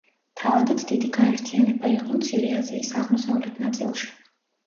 თავადაც დიდი გაერთიანება იყო მცირე აზიის აღმოსავლეთ ნაწილში.